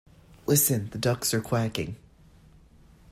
Listen! The ducks are quacking!